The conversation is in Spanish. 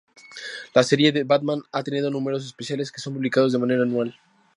La serie de Batman ha tenido números especiales que son publicados de manera anual.